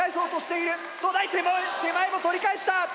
東大手前を取り返した！